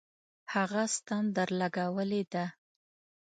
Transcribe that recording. هغه ستن درلگولې ده.